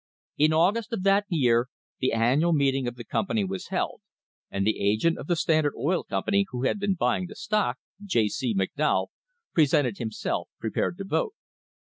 In August of that year the annual meeting of the company was held, and the agent of the Standard Oil Company who had been buying the stock, J. C. McDowell, presented himself prepared to vote.